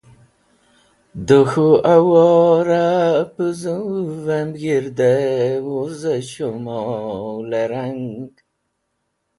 da k̃hu awora puzuvem g̃hirdey wuz shumol rang